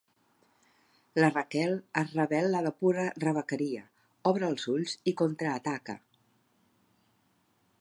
La Raquel es rebel·la de pura rebequeria; obre els ulls i contraataca.